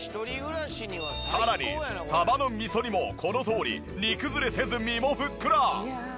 さらにサバの味噌煮もこのとおり煮崩れせず身もふっくら！